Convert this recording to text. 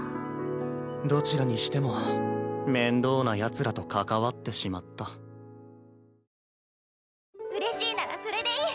どちらにしても面倒なヤツらと関わってしまったうれしいならそれでいい！